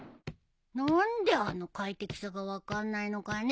何であの快適さが分かんないのかね